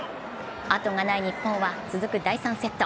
後がない日本は続く第３セット